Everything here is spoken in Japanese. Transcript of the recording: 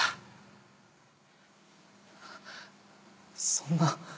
そんな